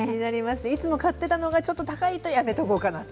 いつも買っていたのが高いとちょっとやめておこうかなって。